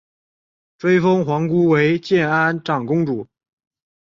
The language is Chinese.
追封皇姑为建安长公主。